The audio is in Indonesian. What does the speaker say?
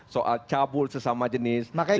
soal cabul sesama jenis makanya